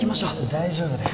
大丈夫だよ